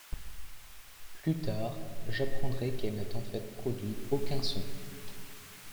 Plus tard, j’apprendrai qu’elle n’a en fait produit aucun son.